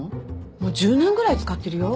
もう１０年ぐらい使ってるよ。